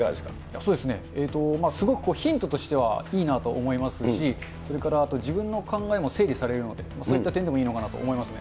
そうですね、すごくこう、ヒントとしてはいいなと思いますし、それからあと、自分の考えも整理されるので、そういった点でもいいのかなと思いますね。